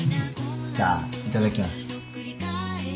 じゃあいただきます。